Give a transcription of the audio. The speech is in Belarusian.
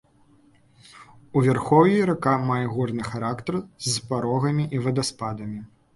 У вярхоўі рака мае горны характар, з парогамі і вадаспадамі.